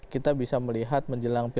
kita bisa melihat menjelang